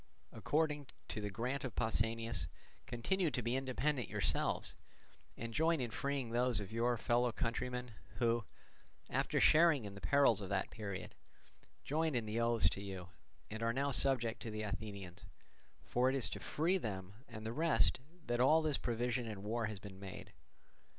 According, to the grant of Pausanias, continue to be independent yourselves, and join in freeing those of your fellow countrymen who, after sharing in the perils of that period, joined in the oaths to you, and are now subject to the Athenians; for it is to free them and the rest that all this provision and war has been made.